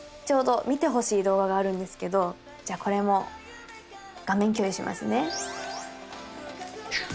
ちょうど見てほしい動画があるんですけどじゃあこれも画面共有しますね。